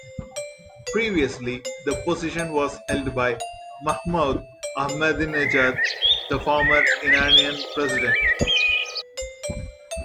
Previously, the position was held by Mahmoud Ahmadinejad, the former Iranian President.